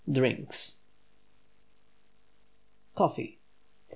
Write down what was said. DRINKS. COFFEE.